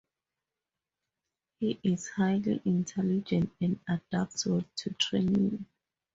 He is highly intelligent and adapts well to training.